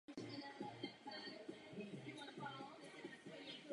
Zaprvé se jedná o pozornost věnovanou vzdělávání a odborné přípravě.